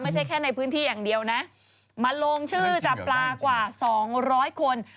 ไม่ใช่แค่ในพื้นที่อย่างเดียวนะมาลงชื่อจับปลากว่า๒๐๐คน